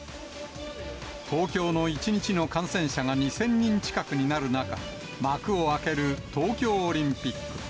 東京の１日の感染者が２０００人近くになる中、幕を開ける東京オリンピック。